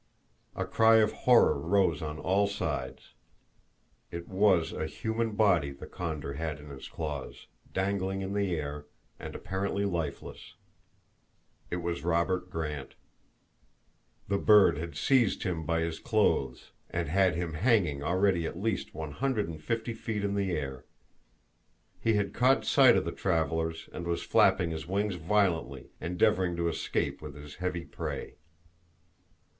A cry of horror rose on all sides. It was a human body the condor had in his claws, dangling in the air, and apparently lifeless it was Robert Grant. The bird had seized him by his clothes, and had him hanging already at least one hundred and fifty feet in the air. He had caught sight of the travelers, and was flapping his wings violently, endeavoring to escape with his heavy prey.